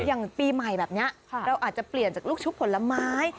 อย่างปีใหม่แบบนี้เราอาจจะเปลี่ยนจากลูกชุบผลไม้